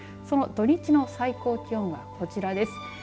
その土日の最高気温がこちらです。